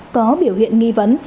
có biểu hiện nghi vấn